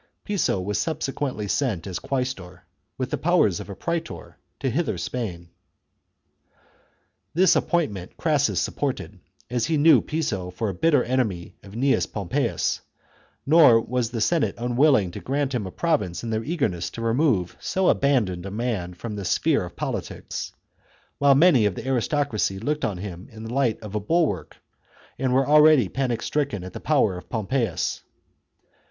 Piso was subsequently sent as Scix.^' ^and . w^ek 1 6 THE CONSPIRACY OF CATILINE. CHAP, quaestor, with the powers of a praetor, to Hither Spain. This appointment Crassus supported, as he knew Piso for a bitter enemy of Gnaeus Pompeius ; nor was the Senate unwilling to grant him a province in their eagerness to remove so abandoned a man from the sphere of politics, while many of the aristocracy looked on him in the light of a bulwark, and were already panic stricken at the power of Pompeius.